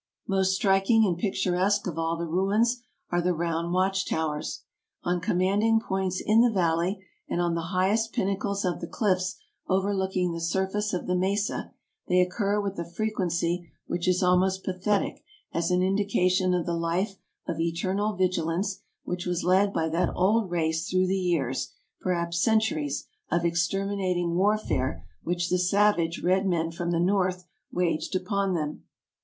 Most striking and picturesque of all the ruins are the round watch towers. On commanding points in the valley, and on the highest pinnacles of the cliffs overlooking the surface of the mesa, they occur with a frequency which is almost pathetic as an indication of the life of eternal vigilance which was led by that old race through the years, perhaps centuries, of exterminating warfare which the savage red men from the North waged upon them.